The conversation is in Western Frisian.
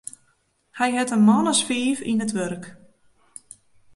Hy hat in man as fiif yn it wurk.